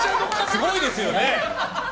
すごいですよね。